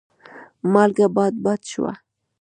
مالګه باد باد شوه.